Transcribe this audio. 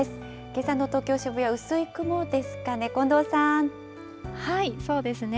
けさの東京・渋谷、薄い雲ですかそうですね。